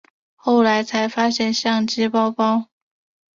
后来才发现相机包包